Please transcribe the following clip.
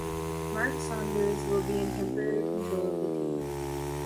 Mark Saunders will be in temporary control of the team.